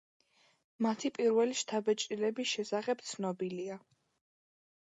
მათი პირველი შთაბეჭდილების შესახებ ცნობილია.